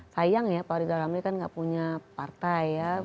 sayang ya pak rizal ramli kan tidak punya partai